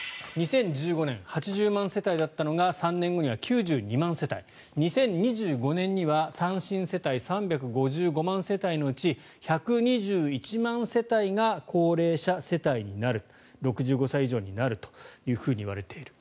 ２０１５年８０万世帯だったのが３年後には９２万世帯２０２５年には単身世帯３５５万世帯のうち１２１万世帯が高齢者世帯になる６５歳以上になるといわれている。